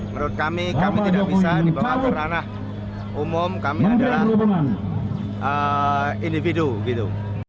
menurut kami kami tidak bisa dibawa ke ranah umum kami adalah individu gitu